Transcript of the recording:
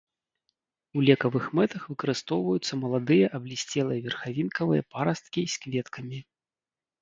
У лекавых мэтах выкарыстоўваюцца маладыя аблісцелыя верхавінкавыя парасткі з кветкамі.